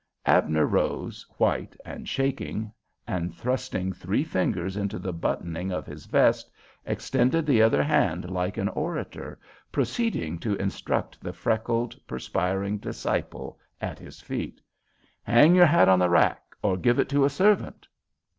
Abner rose, white and shaking, and thrusting three fingers into the buttoning of his vest, extending the other hand like an orator, proceeded to instruct the freckled, perspiring disciple at his feet. "'Hang your hat on the rack, or give it to a servant.